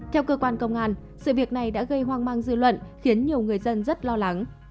theo cơ quan công an sự việc này đã gây hoang mang dư luận khiến nhiều người dân rất lo lắng